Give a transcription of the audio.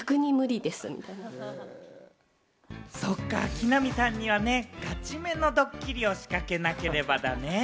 木南さんにはね、ガチめのドッキリを仕掛けなければだね。